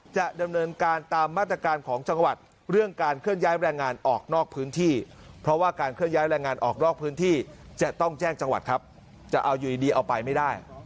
จะดำเนินการตามมาตรการของจังหวัด